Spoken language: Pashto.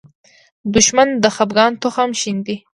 دښمن د خپګان تخم شیندي